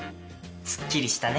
すっきりしたね。